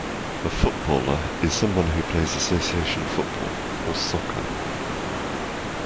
A footballer is someone who plays Association Football, or soccer